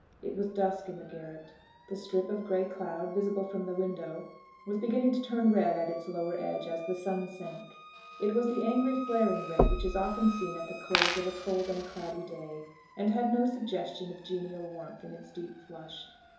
It was dusk in the garret. The strip of grey cloud, visible from the window, was beginning to turn red at its lower edge as the sun sank. It was the angry flaring red, which is often seen at the close of a cold and cloudy day, and had no suggestion of genial warmth in its deep flush.